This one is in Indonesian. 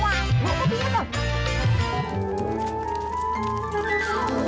jangan terlalu banyak